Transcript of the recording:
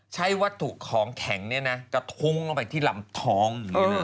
ใช้วัตถุของแข่งนี่นะคุ้้งไปที้หลัมท้อง